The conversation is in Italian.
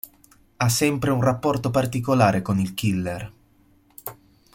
Ha sempre un rapporto particolare con il killer.